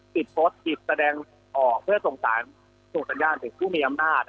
ติดโฟสต์ติดแสดงออกเพื่อส่งสัญญาณถึงผู้มีอำนาจ